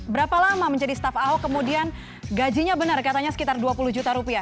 berapa lama menjadi staff ahok kemudian gajinya benar katanya sekitar dua puluh juta rupiah